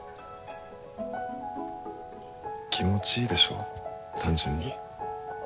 気持ちいいでしょう単純に。